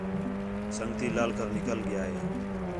سنڳتی لال کر نِکل ڳِیا ہِے